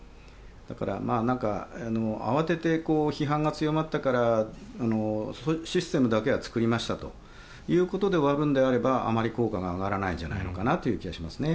だから慌てて批判が強まったからそういうシステムだけは作りましたということで終わるのであればあまり効果が上がらないんじゃないかなという気がしますね。